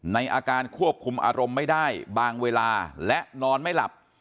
ในอาการควบคุมอารมณ์ไม่ได้บางเวลาและนอนไม่หลับ